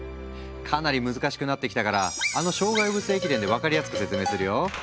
かなり難しくなってきたからあの障害物駅伝で分かりやすく説明するよ。